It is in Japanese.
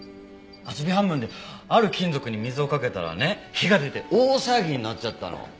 遊び半分である金属に水をかけたらね火が出て大騒ぎになっちゃったの。